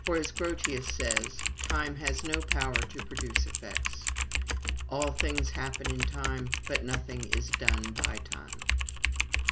For, as Grotius says, time has no power to produce effects; all things happen in time, but nothing is done by time.